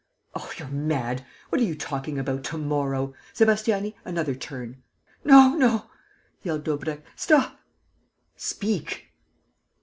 "Oh, you're mad!... What are you talking about: to morrow?... Sébastiani, another turn!" "No, no!" yelled Daubrecq. "Stop!" "Speak!"